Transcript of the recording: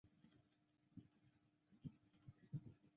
一切又充满了希望